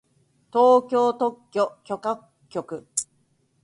東京特許許可局